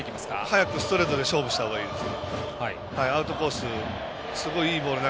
早くストレートで勝負したほうがいいです。